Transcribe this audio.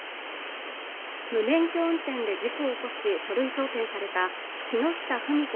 無免許運転で事故を起こし書類送検された木下富美子